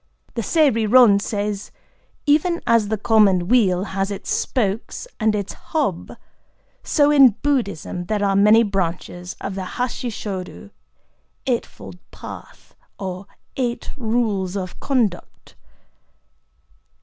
'"… The Sei Ri Ron says: "Even as the common wheel has its spokes and its hub, so in Buddhism there are many branches of the Hasshi Shōdo ('Eight fold Path,' or eight rules of conduct)."